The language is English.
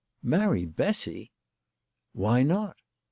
" Marry Bessy !" ""Why not?"